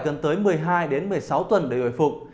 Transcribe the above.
gần tới một mươi hai một mươi sáu tuần để hồi phục